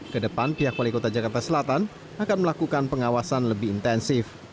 kedepan pihak wali kota jakarta selatan akan melakukan pengawasan lebih intensif